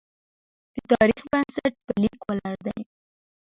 د تاریخ بنسټ په لیک ولاړ دی.